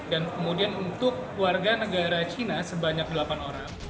dan kemudian untuk warga negara china sebanyak delapan orang